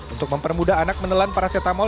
untuk mempermudah anak menelan paracetamol